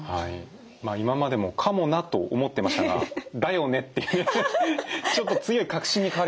まあ今までも「かもな」と思ってましたが「だよね」っていうちょっと強い確信に変わりましたね。